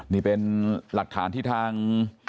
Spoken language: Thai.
นี่เป็นหลักฐานที่ทาง